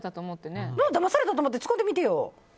だまされたと思って使ってみてよ。